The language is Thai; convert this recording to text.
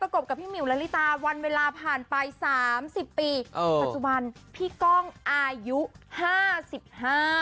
กบกับพี่หมิวละลิตาวันเวลาผ่านไปสามสิบปีเออปัจจุบันพี่ก้องอายุห้าสิบห้า